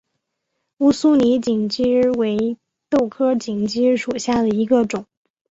乌苏里锦鸡儿为豆科锦鸡儿属下的一个种。